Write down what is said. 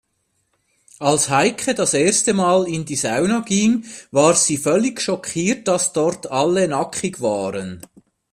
Als Heike das erste Mal in die Sauna ging, war sie völlig schockiert, dass dort alle nackig waren.